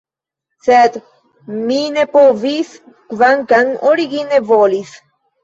Sed mi ne povis, kvankam origine volis.